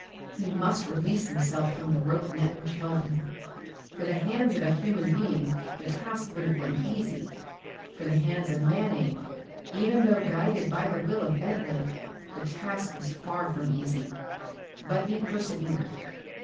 He must release himself from the rope net which held him. For the hands of a human being the task would have been easy. For the hands of Manape, even though guided by the will of Bentley, the task was far from easy. But he persevered.